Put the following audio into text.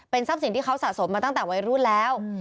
ทรัพย์สินที่เขาสะสมมาตั้งแต่วัยรุ่นแล้ว